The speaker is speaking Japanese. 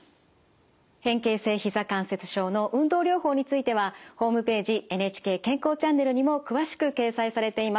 変形性ひざ関節症の運動療法についてはホームページ「ＮＨＫ健康チャンネル」にも詳しく掲載されています。